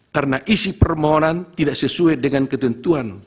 karena isi permohonan tidak sesuai dengan ketentuan